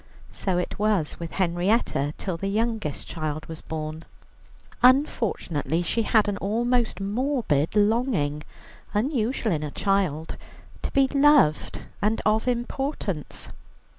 So it was with Henrietta, till the youngest child was born. Unfortunately she had an almost morbid longing, unusual in a child, to be loved and of importance.